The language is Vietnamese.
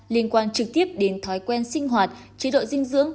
liên quan trực tiếp đến thói quen sinh hoạt chế độ dinh dưỡng